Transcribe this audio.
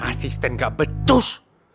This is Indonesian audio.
asisten gak betus